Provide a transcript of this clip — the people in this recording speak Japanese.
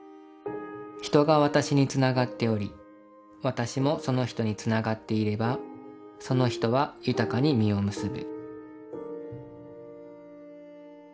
人が私につながっており私もその人につながっていればその人は豊かに実を結ぶ」。